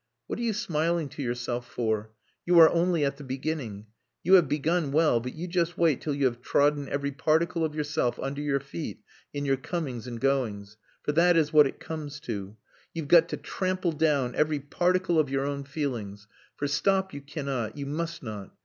What are you smiling to yourself for? You are only at the beginning. You have begun well, but you just wait till you have trodden every particle of yourself under your feet in your comings and goings. For that is what it comes to. You've got to trample down every particle of your own feelings; for stop you cannot, you must not.